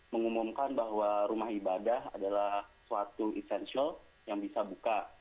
mengumumkan bahwa rumah ibadah adalah suatu essential yang bisa buka